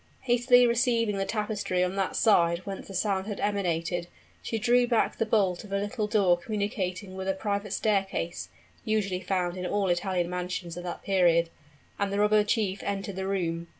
Hastily raising the tapestry on that side whence the sound had emanated, she drew back the bolt of a little door communicating with a private staircase (usually found in all Italian mansions at that period), and the robber chief entered the room.